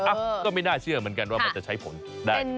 ก็ไม่น่าเชื่อเหมือนกันว่ามันจะใช้ผลได้